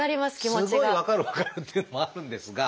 すごい分かるからっていうのもあるんですが。